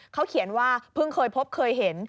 เขาเขียนว่าเพิ่งเคยพบเคยเห็น